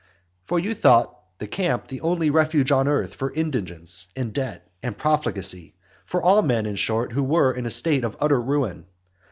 For you thought the camp the only refuge on earth for indigence, and debt, and profligacy, for all men, in short, who were in a state of utter ruin.